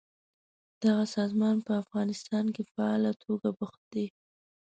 دغه سازمان په افغانستان کې فعاله توګه بوخت دی.